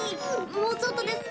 もうちょっとです。